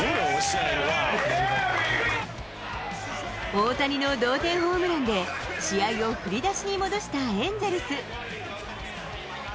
大谷の同点ホームランで、試合を振り出しに戻したエンゼルス。